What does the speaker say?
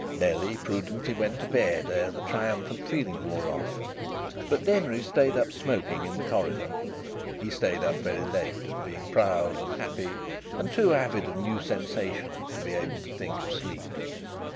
Nellie prudently went to bed ere the triumphant feeling wore off. But Denry stayed up smoking in the corridor. He stayed up very late, being too proud and happy and too avid of new sensations to be able to think of sleep.